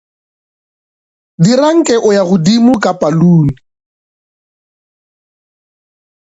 Dira nke o ya godimo ka palune.